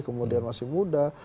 kemudian masih muda